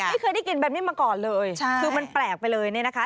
ไม่เคยได้กินแบบนี้มาก่อนเลยคือมันแปลกไปเลยเนี่ยนะคะ